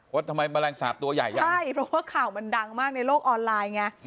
ว่าทำไมแมลงสาปตัวใหญ่อ่ะใช่เพราะว่าข่าวมันดังมากในโลกออนไลน์ไง